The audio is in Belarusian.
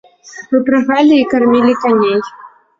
Выпрагалі і кармілі коней.